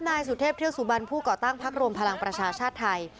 นายสุเทพเที่ยวสุบัญผู้ก่อตั้งภักดิ์รวมพลังประชาชาชน์ไทย